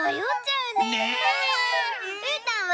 うーたんは？